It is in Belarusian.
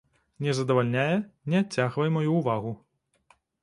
Не задавальняе, не адцягвай маю ўвагу.